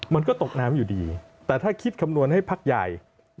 มันก็ตกน้ำอยู่ดีแต่ถ้าคิดคำนวณให้พักใหญ่